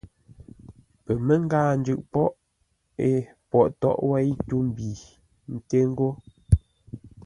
Pəmə́ngáa-njʉʼ pwóghʼ é, Pwogh tóghʼ wéi tû-mbi nté ńgó.